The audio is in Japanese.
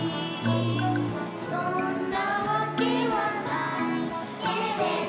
「そんなわけはないけれど」